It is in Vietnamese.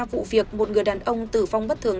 vụ việc một người đàn ông tử vong bất thường